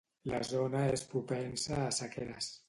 La zona és propensa a sequeres.